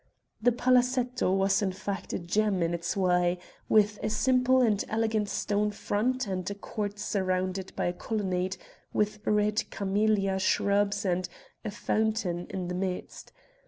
The palazetto was in fact a gem in its way, with a simple and elegant stone front and a court surrounded by a colonnade with red camellia shrubs and a fountain in the midst.